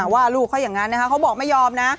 ว่าลูกเขาอย่างนั้นนะคะเขาบอกไม่ยอมนะ